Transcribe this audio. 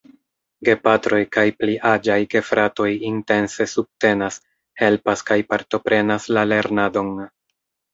Gepatroj kaj pli aĝaj gefratoj intense subtenas, helpas kaj partoprenas la lernadon.